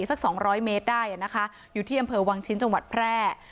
สักสองร้อยเมตรได้นะคะอยู่ที่อำเภอวังชิ้นจังหวัดแพร่